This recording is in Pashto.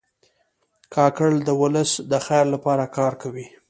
کاکړ د ولس د خیر لپاره کار کوي.